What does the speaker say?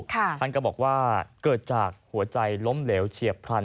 ท่านก็บอกว่าเกิดจากหัวใจล้มเหลวเฉียบพลัน